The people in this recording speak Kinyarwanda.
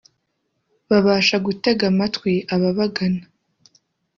babasha gutega amatwi ababagana